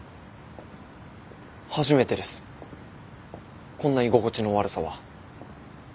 初めてですこんな居心地の悪さは。